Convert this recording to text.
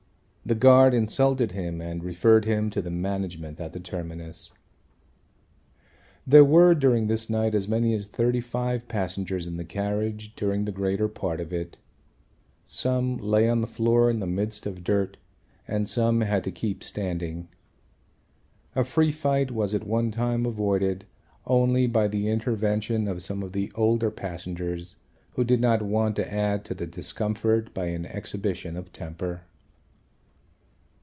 The guard insulted him and referred him to the management at the terminus. There were during this night as many as 35 passengers in the carriage during the greater part of it. Some lay on the floor in the midst of dirt and some had to keep standing. A free fight was, at one time, avoided only by the intervention of some of the older passengers who did not want to add to the discomfort by an exhibition of temper.